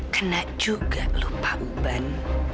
kena juga lu pak uban